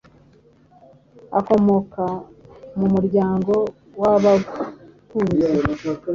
akomoka mu ‘’Umuryango w’Aababumbyi